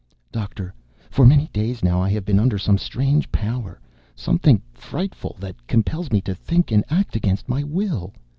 "Doctor, for many days now I have been under some strange power. Something frightful, that compels me to think and act against my will."